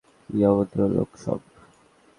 কি অভদ্র লোক সব।